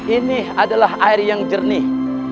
ini adalah air yang jernih